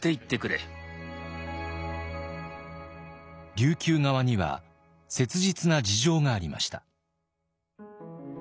琉球側には切実な事情がありました。